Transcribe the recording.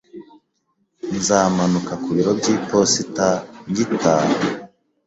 Nzamanuka ku biro by'iposita ngitaha